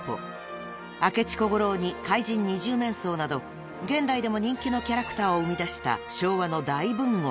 ［明智小五郎に怪人二十面相など現代でも人気のキャラクターを生み出した昭和の大文豪］